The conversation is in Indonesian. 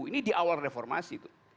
ini di awal reformasi tuh